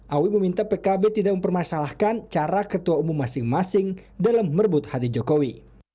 awi meminta pkb tidak mempermasalahkan cara ketua umum masing masing dalam merebut hati jokowi